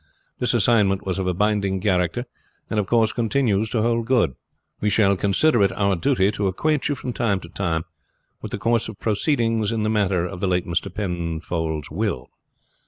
This assignment was of a binding character, and of course continues to hold good. We shall consider it our duty to acquaint you from time to time with the course of proceedings in the matter of the late Mr. Penfold's will."